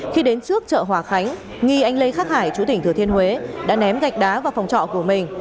khi đến trước chợ hòa khánh nghi anh lê khắc hải chú tỉnh thừa thiên huế đã ném gạch đá vào phòng trọ của mình